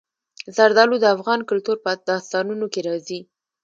زردالو د افغان کلتور په داستانونو کې راځي.